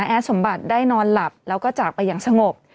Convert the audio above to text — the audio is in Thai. แอดสมบัติได้นอนหลับแล้วก็จากไปอย่างสงบ